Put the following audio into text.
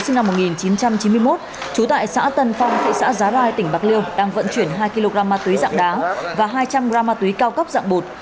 sinh năm một nghìn chín trăm chín mươi một trú tại xã tân phong thị xã giá rai tỉnh bạc liêu đang vận chuyển hai kg ma túy dạng đá và hai trăm linh g ma túy cao cấp dạng bột